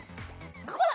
ここだ。